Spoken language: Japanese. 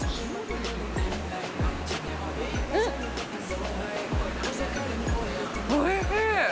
うん、おいしい！